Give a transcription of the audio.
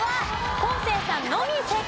昴生さんのみ正解。